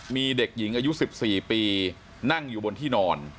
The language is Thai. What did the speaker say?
มีเด็กหญิงอายุ๑๔ปีนั่งอยู่บนที่นอน